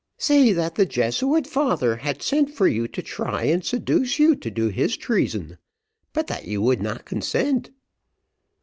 "Say that the Jesuit father had sent for you to try and seduce you to do his treason, but that you would not consent."